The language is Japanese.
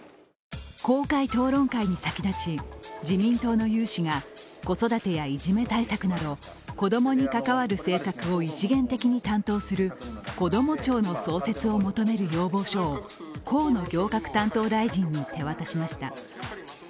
公開討論会に先立ち自民党の有志が子育てやいじめ対策など子供に関わる政策を一元的に担当するこども庁の創設を求める要望書を河野行革担当大臣に手渡しました。